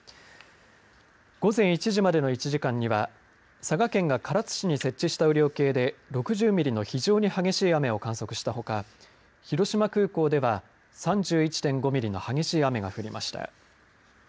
午前１時までの１時間には、佐賀県が唐津市に設置した雨量計で、６０ミリの非常に激しい雨を観測したほか、広島空港では３１．５ミリの激しい雨が降りました。